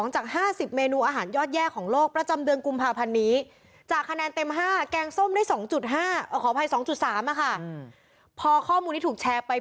จาก๕๐เมนูอาหารยอดแย่ของโลกประจำเดือนกุมภาพันธ์นี้